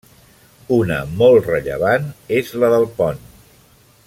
Una molt rellevant és la del pont.